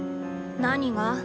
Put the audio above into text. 何が？